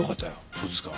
そうですか？